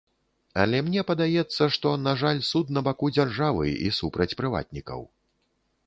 Але мне падаецца, што, на жаль, суд на баку дзяржавы і супраць прыватнікаў.